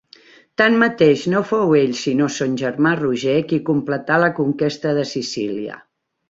Tanmateix, no fou ell sinó son germà Roger qui completà la conquesta de Sicília.